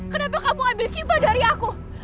kenapa kamu ambil ciba dari aku